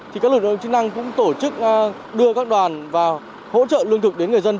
thì các lực lượng chức năng cũng tổ chức đưa các đoàn vào hỗ trợ lương thực đến người dân